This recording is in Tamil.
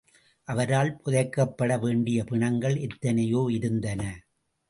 அவரால் புதைக்கப்பட வேண்டிய பிணங்கள் எத்தனையோ இருந்தன.